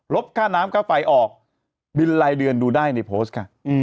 บค่าน้ำค่าไฟออกบินรายเดือนดูได้ในโพสต์ค่ะ